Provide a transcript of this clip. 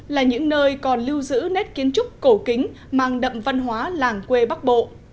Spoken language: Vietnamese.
là những nơi còn lưu giữ nét kiến trúc cổ kính mang đậm văn hóa làng quê bắc bộ